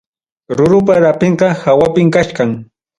Rurupa rapinqa hawapim kachkan.